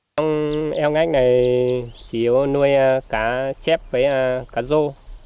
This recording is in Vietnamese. trong eo ngách này chỉ có nuôi cá chép với cá rô